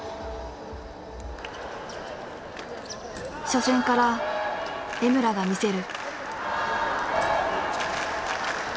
初戦から江村が見せる。